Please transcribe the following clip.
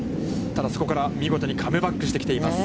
ただ、そこから見事にカムバックしてきています。